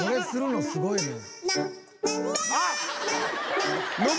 すごい！